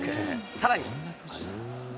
さらに。